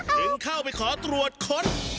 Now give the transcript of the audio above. ถึงเข้าไปขอตรวจค้น